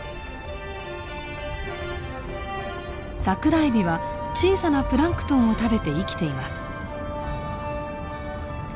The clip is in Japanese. サクラエビは小さなプランクトンを食べて生きています。